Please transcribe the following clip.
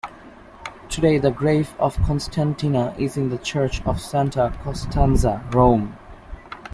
Today, the grave of Constantina is in the church of Santa Costanza, Rome.